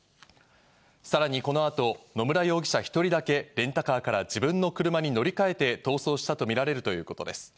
さらに、この後、野村容疑者１人だけレンタカーから自分の車に乗り換えて逃走したとみられるということです。